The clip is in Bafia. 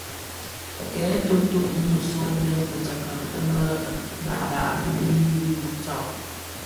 Kè toto nyi sõňdèn fitsakka fi mëdhad ňyi bi tsag.